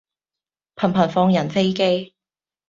頻頻放人飛機